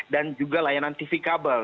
dan juga layanan tv kabel